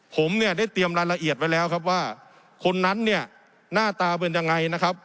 ผมเนี่ยได้เตรียมรายละเอียดไว้แล้วครับว่าคนนั้นเนี่ยหน้าตาเป็นยังไงนะครับ